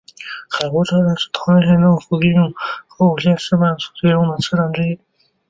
海湖车站是桃园县政府利用林口线试办客运服务时所使用的车站之一。